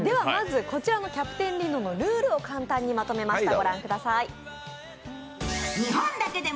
こちらの「キャプテン・リノ」のルールを簡単にまとめました。